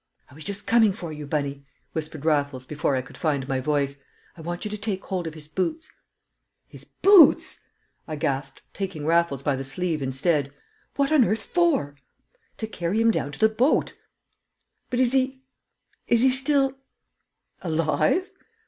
"I was just coming for you, Bunny," whispered Raffles before I could find my voice. "I want you to take hold of his boots." "His boots!" I gasped, taking Raffles by the sleeve instead. "What on earth for?" "To carry him down to the boat!" "But is he is he still " "Alive?"